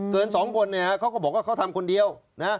สองคนเนี่ยเขาก็บอกว่าเขาทำคนเดียวนะ